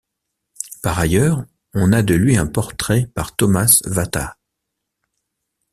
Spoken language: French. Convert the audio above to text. Par ailleurs, on a de lui un portrait par Thomas Vathas.